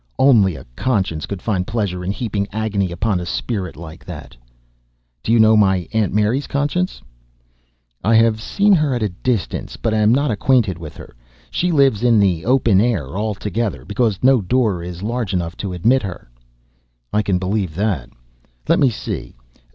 Only a conscience could find pleasure in heaping agony upon a spirit like that. Do you know my aunt Mary's conscience?" "I have seen her at a distance, but am not acquainted with her. She lives in the open air altogether, because no door is large enough to admit her." "I can believe that. Let me see.